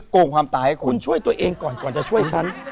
ขอบคุณพี่โจ้ด้วยครับ